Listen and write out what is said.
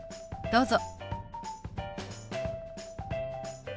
どうぞ。